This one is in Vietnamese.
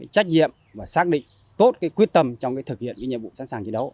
trách nhiệm và xác định tốt quyết tâm trong thực hiện nhiệm vụ sẵn sàng chiến đấu